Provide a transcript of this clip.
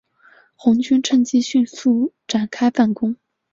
红军乘机迅速展开反攻。